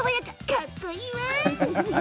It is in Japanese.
かっこいいわ！